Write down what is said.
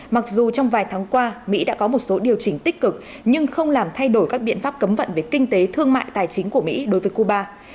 mặc dù trong vài tháng qua mỹ đã có một số điều chỉnh tích cực nhưng không làm thay đổi các biện pháp cấm vận về kinh tế thương mại tài chính của mỹ đối với cuba